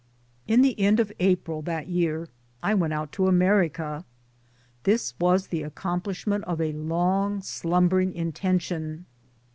In the end of April that year I went out to America. This was the accomplishment of a long slumbering intention.